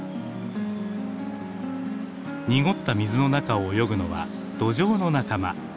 濁った水の中を泳ぐのはドジョウの仲間。